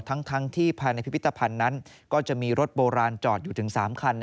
ทั้งที่ภายในพิพิธภัณฑ์นั้นก็จะมีรถโบราณจอดอยู่ถึง๓คัน